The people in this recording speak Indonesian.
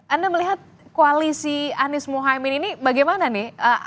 anda melihat koalisi anies mohaimin ini bagaimana nih